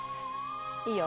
いいよ。